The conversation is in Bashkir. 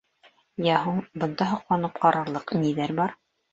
Йә һуң, бында һоҡланып ҡарарлыҡ ниҙәр бар?